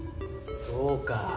そうか。